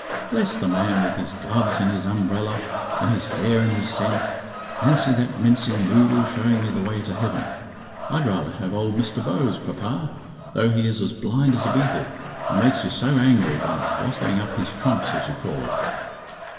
"Bless the man, with his gloves and his umbrella, and his hair and his scent! Fancy that mincing noodle showing me the way to Heaven! I'd rather have old Mr. Bowes, papa, though he is as blind as a beetle, and makes you so angry by bottling up his trumps as you call it."